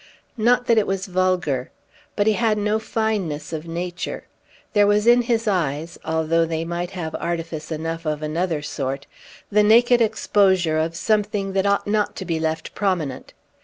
Not that it was vulgar. But he had no fineness of nature; there was in his eyes (although they might have artifice enough of another sort) the naked exposure of something that ought not to be left prominent.